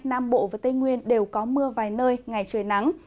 nam bộ và tây nguyên đều có mưa vài nơi ngày trời nắng